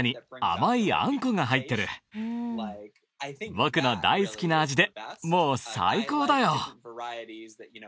僕の大好きな味でもう最高だよ！